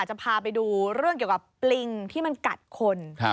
จะพาไปดูเรื่องเกี่ยวกับปลิงที่มันกัดคน